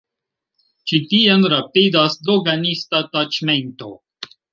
Ĉi tien rapidas doganista taĉmento.